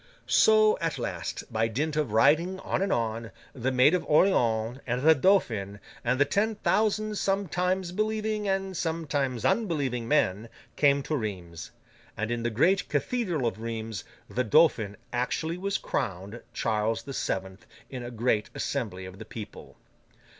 So, at last, by dint of riding on and on, the Maid of Orleans, and the Dauphin, and the ten thousand sometimes believing and sometimes unbelieving men, came to Rheims. And in the great cathedral of Rheims, the Dauphin actually was crowned Charles the Seventh in a great assembly of the people.